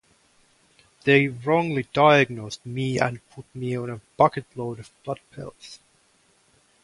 They wrongly diagnosed me and put me on a bucket load of blood pills.